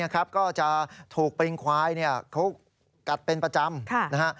ก็จะถูกปริงควายกัดเป็นประจำ